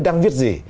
đang viết gì